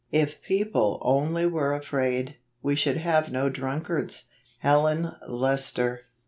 If people only were afraid, we should have no drunkards. Helen Lester.